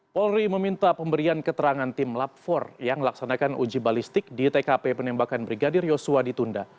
polri meminta pemberian keterangan tim lab empat yang melaksanakan uji balistik di tkp penembakan brigadir yosua ditunda